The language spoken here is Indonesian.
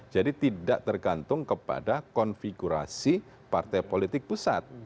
jadi tidak tergantung kepada konfigurasi partai politik pusat